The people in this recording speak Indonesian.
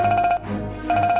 alia gak ada ajak rapat